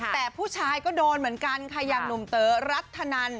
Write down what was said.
แต่ผู้ชายก็โดนเหมือนกันค่ะอย่างหนุ่มเต๋อรัฐนัน